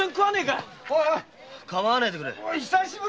かまわねえでくれ！